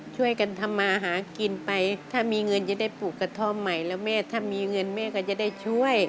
ช่วยกันทำมาหากินไปถ้ามีเงินจะได้ปลูกกระท่อมใหม่แล้วแม่ถ้ามีเงินแม่ก็จะได้ช่วย